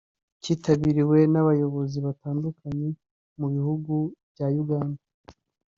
Cyitabiriwe n’abayobozi batandukanye mu bihugu bya Uganda